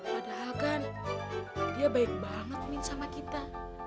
padahal kan dia baik banget min sama kita